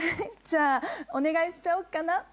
じゃあお願いしちゃおっかな？